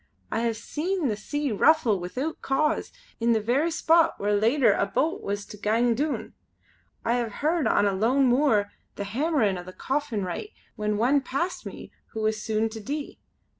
I hae seen the sea ruffle wi'oot cause in the verra spot where later a boat was to gang doon, I hae heard on a lone moor the hammerin' o' the coffin wright when one passed me who was soon to dee.